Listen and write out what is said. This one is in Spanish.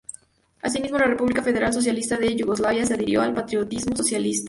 Asimismo, la República Federal Socialista de Yugoslavia se adhirió al patriotismo socialista.